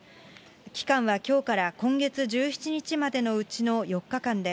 期間はきょうから今月１７日までのうちの４日間で、